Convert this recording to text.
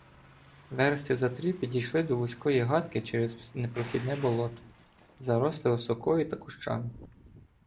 Версти за три підійшли до вузької гатки через непрохідне болото, заросле осокою та кущами.